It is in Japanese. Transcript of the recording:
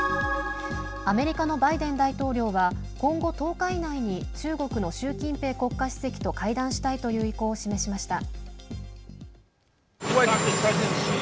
アメリカのバイデン大統領は今後、１０日以内に中国の習近平国家主席と会談したいという意向を示しました。